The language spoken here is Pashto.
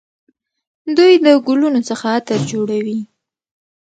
دوی د ګلونو څخه عطر جوړوي.